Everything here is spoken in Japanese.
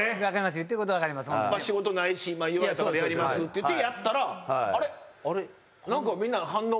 仕事ないし言われたからやりますって言ってやったら「あれ？何か」。